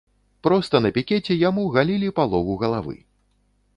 Проста на пікеце яму галілі палову галавы.